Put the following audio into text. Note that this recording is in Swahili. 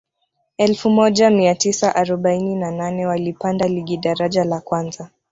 elfu moja mia tisa arobaini na nane walipanda ligi daraja la kwanza